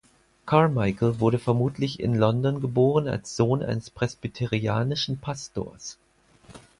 Carmichael wurde vermutlich in London geboren als Sohn eines presbyterianischen Pastors.